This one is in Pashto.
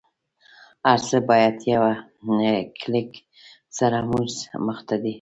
هر څه په یوه کلیک سره زموږ مخته دی